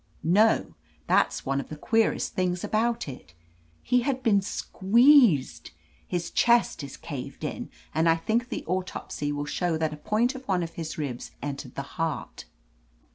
"No. That's one of the queerest things about It. He had been squeezed — his chest is caved in, and I think the autopsy will show that a point of one of the ribs entered the heart.